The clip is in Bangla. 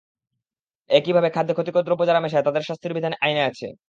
একইভাবে খাদ্যে ক্ষতিকর দ্রব্য যারা মেশায়, তাদের শাস্তির বিধান আইনে আছে।